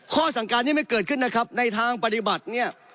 ข้อสั่งการที่ไม่เกิดขึ้นนะครับในทางปฏิบัติเนี่ย